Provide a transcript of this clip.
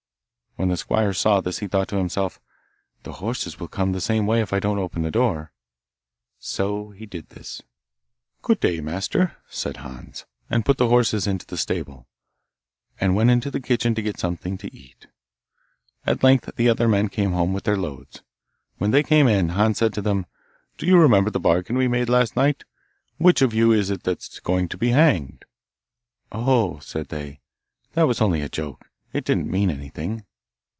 When the squire saw this, he thought to himself, 'The horses will come the same way if I don't open the door,' so he did this. 'Good day, master,' said Hans, and put the horses into the stable, and went into the kitchen, to get something to eat. At length the other men came home with their loads. When they came in, Hans said to them, 'Do you remember the bargain we made last night? Which of you is it that's going to be hanged?' 'Oh,' said they, 'that was only a joke; it didn't mean anything.